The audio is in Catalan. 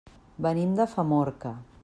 Venim de Famorca.